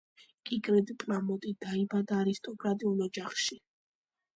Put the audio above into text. კიკრიტ პრამოტი დაიბადა არისტოკრატიულ ოჯახში.